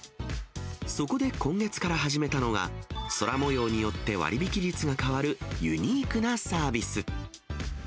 そこで今月から始めたのが、空もようによって割引率が変わるユニークなサービス。